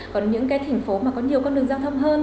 còn những cái thành phố mà có nhiều con đường giao thông hơn